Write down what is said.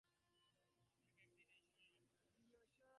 এক-একদিন এই সময়ে অপুর ঘুম ভাঙিয়া যাইত।